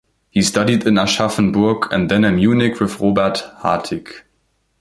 He studied in Aschaffenburg, and then in Munich with Robert Hartig.